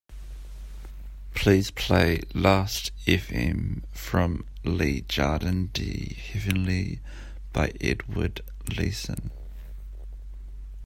Please play Last Fm from Le Jardin De Heavenly by Edward Leeson